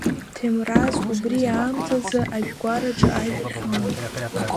Ҭемраз убри аамҭазы, ажәгәараҿы ажә ихьон.